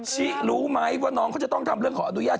ชิรู้ไหมว่าน้องเขาจะต้องทำเรื่องขออนุญาต